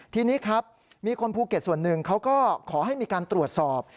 ทีนี้ครับมีคนภูเก็ตส่วนหนึ่งเขาก็ขอให้มีการตรวจสอบ